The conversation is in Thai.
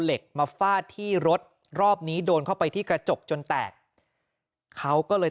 เหล็กมาฟาดที่รถรอบนี้โดนเข้าไปที่กระจกจนแตกเขาก็เลย